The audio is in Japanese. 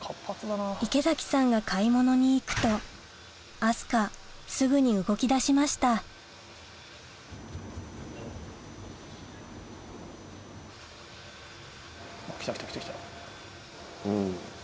池崎さんが買い物に行くと明日香すぐに動きだしました来た来た。